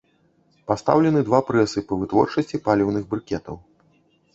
Пастаўлены два прэсы па вытворчасці паліўных брыкетаў.